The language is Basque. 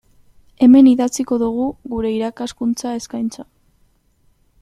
Hemen idatziko dugu gure irakaskuntza eskaintza.